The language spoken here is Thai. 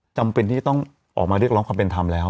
จำเป็นที่ต้องออกมาเรียกร้องความเป็นธรรมแล้ว